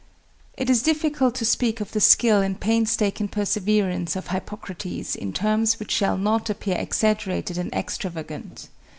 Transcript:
It is difficult to speak of the skill and painstaking perseverance of Hippocrates in terms which shall not appear exaggerated and extravagant.